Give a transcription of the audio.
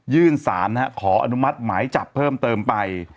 สารขออนุมัติหมายจับเพิ่มเติมไป